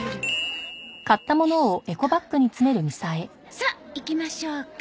さあ行きましょうか。